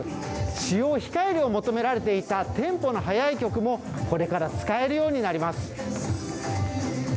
使用を控えるよう求められていたテンポの速い曲もこれから使えるようになります。